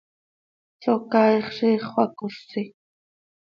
Socaaix ziix xöacosi.